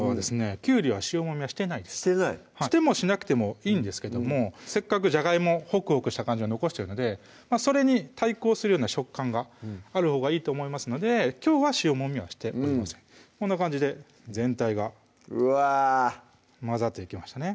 きゅうりは塩もみはしてないですしてもしなくてもいいんですけどもせっかくじゃがいもホクホクした感じを残してるのでそれに対抗するような食感があるほうがいいと思いますのできょうは塩もみはしておりませんこんな感じで全体がうわ混ざっていきましたね